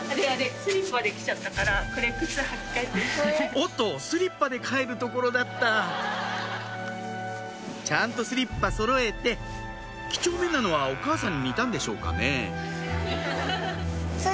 おっとスリッパで帰るところだったちゃんとスリッパそろえてきちょうめんなのはお母さんに似たんでしょうかね